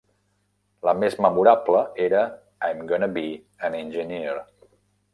La més memorable era "I'm Gonna Be an Engineer".